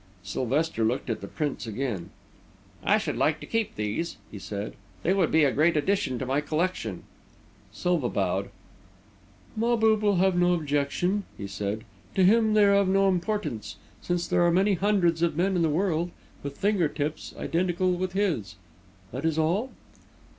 Sylvester looked at the prints again. "I should like to keep these," he said. "They would be a great addition to my collection." Silva bowed. "Mahbub will have no objection," he said. "To him, they are of no importance, since there are many hundreds of men in the world with finger tips identical with his. That is all?"